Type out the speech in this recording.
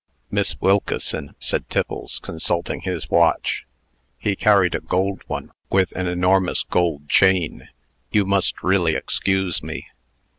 "Miss Wilkeson," said Times, consulting his watch he carried a gold one, with an enormous gold chain "you must really excuse me.